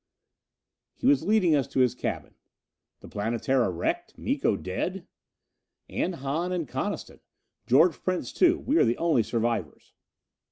He was leading us to his cabin. "The Planetara wrecked? Miko dead?" "And Hahn and Coniston. George Prince, too we are the only survivors."